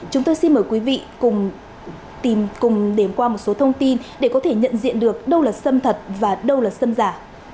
chúng tôi xin mời quý vị cùng tìm cùng điểm qua một số thông tin để có thể nhận diện được đâu là xâm thật và đâu là xâm giả